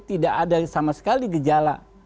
tidak ada sama sekali gejala